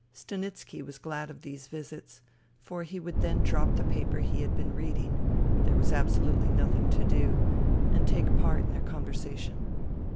Stanitski was glad of these visits ; for he would then drop the paper he had been reading — there was absolutely nothing to do — and take part in their conversation.